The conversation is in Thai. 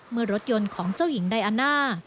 เมื่อรถยนต์ของเจ้าหญิงไดอาน่า